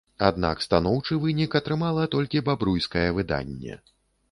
Аднак станоўчы вынік атрымала толькі бабруйскае выданне.